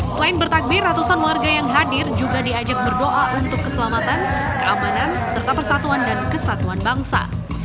selain bertakbir ratusan warga yang hadir juga diajak berdoa untuk keselamatan keamanan serta persatuan dan kesatuan bangsa